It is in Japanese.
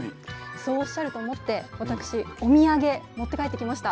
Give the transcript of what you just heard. そうおっしゃると思って私お土産持って帰ってきました。